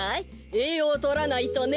えいようをとらないとね。